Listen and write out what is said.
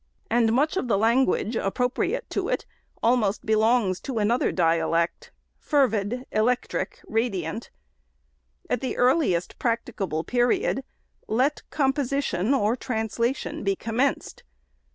And much of the language appropriate to it almost belongs to an other dialect ;— fervid, electric, radiant. At the earliest SECOND ANNUAL REPORT. 555 practicable period, let composition or translation be com menced.